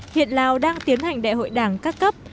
hiện lào đang tiến hành đại hội đảng các cấp